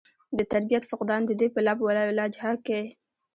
د تربيت فقدان د دوي پۀ لب و لهجه کښې